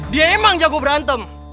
dia emang jago berantem